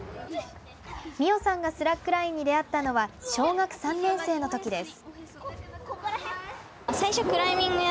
美青さんがスラックラインに出会ったのは小学３年生の時です。